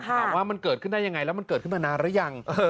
ถามว่ามันเกิดขึ้นได้ยังไงแล้วมันเกิดขึ้นมานานหรือยัง